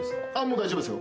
大丈夫ですよ。